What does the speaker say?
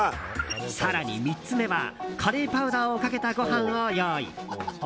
更に３つ目はカレーパウダーをかけたご飯を用意。